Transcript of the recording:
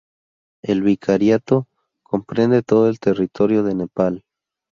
El vicariato comprende todo el territorio de Nepal.